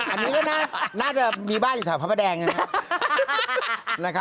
อันนี้ก็น่าจะมีบ้านอยู่แถวพระประแดงนะครับ